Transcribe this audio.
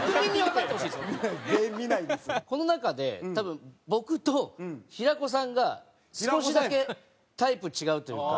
この中で多分僕と平子さんが少しだけタイプ違うというか。